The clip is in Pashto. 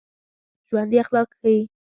ژوندي اخلاق ښيي